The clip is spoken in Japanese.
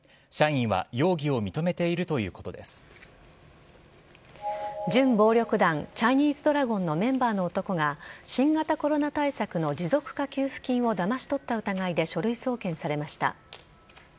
社員は準暴力団チャイニーズドラゴンのメンバーの男が新型コロナ対策の持続化給付金をだまし取った疑いで書類送検されました。